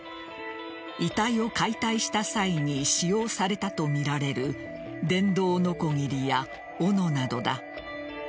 遺体を解体した際に使用されたとみられる電動のこぎりやおのなどだ。